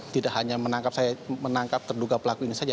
tidak hanya menangkap saya menangkap terduga pelaku ini saja